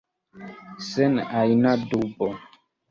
Sen ajna dubo.